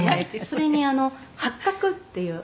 「それに８画っていう」